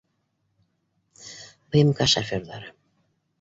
ПМК шоферҙары